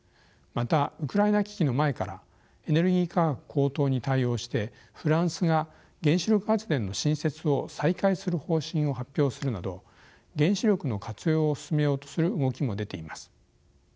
またウクライナ危機の前からエネルギー価格高騰に対応してフランスが原子力発電の新設を再開する方針を発表するなど原子力の活用を進めようとする動きも出ています。